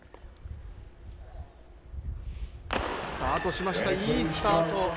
スタートしました、いいスタート。